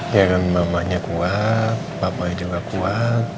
ya kan mamanya kuat bapaknya juga kuat